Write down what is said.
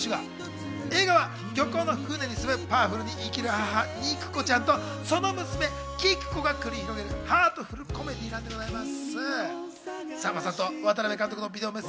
映画は漁港の船に住むパワフルに生きる母・肉子ちゃんとその娘・キクコが繰り広げるハートフルコメディーです。